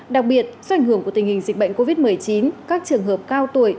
đặc biệt do ảnh hưởng của tình hình dịch bệnh covid một mươi chín các trường hợp cao tuổi